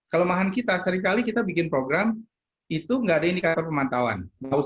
kelemahan kita sering kali kita bikin program itu gak ada indikator pemantauan